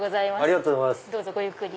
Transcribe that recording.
どうぞごゆっくり。